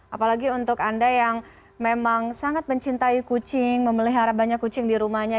apalagi untuk anda yang memang sangat mencintai kucing memelihara banyak kucing di rumahnya